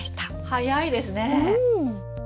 早いですね。